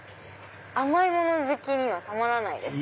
甘いもの好きにはたまらない。